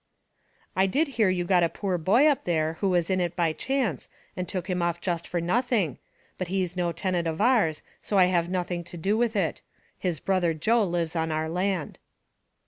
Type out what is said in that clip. "I did hear you got a poor boy up there, who was in it by chance, and took him off just for nothing. But he's no tenant of ours, so I have nothing to do with it; his brother Joe lives on our land."